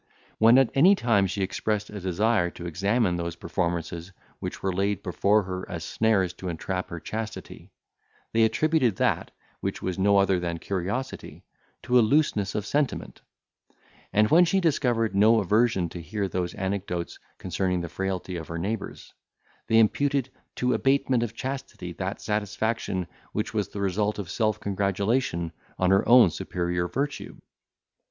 When at any time she expressed a desire to examine those performances which were laid before her as snares to entrap her chastity, they attributed that, which was no other than curiosity, to a looseness of sentiment; and when she discovered no aversion to hear those anecdotes concerning the frailty of her neighbours, they imputed to abatement of chastity that satisfaction which was the result of self congratulation on her own superior virtue.